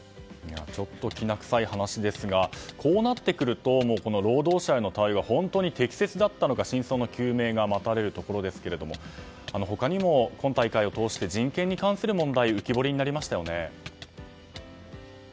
ちょっときな臭い話ですがこうなってくると労働者への対応は本当に適切だったのか真相の究明が待たれるところですけれども他にも今大会を通して人権に関する問題が浮き彫りになりましたね。